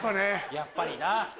やっぱりな。